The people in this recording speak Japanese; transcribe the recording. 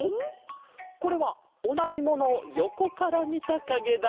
これはおなじものをよこからみたかげだ！